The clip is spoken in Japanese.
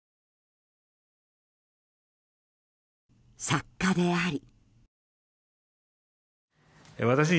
作家であり。